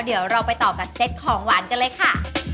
เดี๋ยวเราไปต่อกับเซ็ตของหวานกันเลยค่ะ